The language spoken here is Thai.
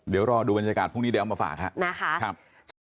เดี๋ยวรอดูบรรยากาศพรุ่งนี้จะเอามาฝากค่ะนะค่ะใช่